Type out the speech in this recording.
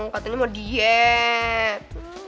katanya mau diet